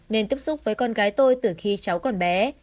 nên tiếp xúc với con gái tôi từ khi cháu còn bé